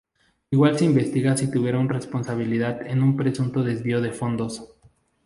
Igual se investiga si tuvieron responsabilidad en un presunto desvío de fondos.